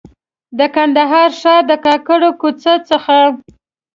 د کندهار ښار د کاکړو کوڅې څخه.